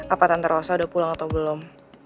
apa tante rosa udah pulang atau belum